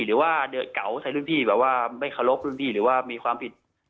หรือว่าเดอะเก๋าใส่รุ่นพี่แบบว่าไม่เคารพรุ่นพี่หรือว่ามีความผิด